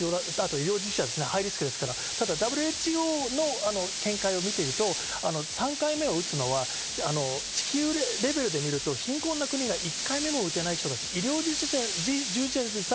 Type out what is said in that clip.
あと医療従事者はハイリスクですから、ＷＨＯの見解を見ていると、３回目を打つのは地球レベルで見ると貧困な国が１回目も打てない人たち。